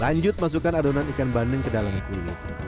lanjut masukkan adonan ikan bandeng ke dalam kulit